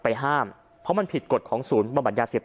พระเจ้าอาวาสกันหน่อยนะครับ